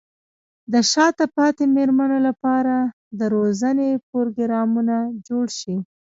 د شاته پاتې مېرمنو لپاره د روزنې پروګرامونه جوړ شي.